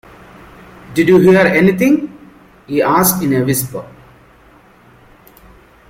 "Did you hear anything?" he asked in a whisper.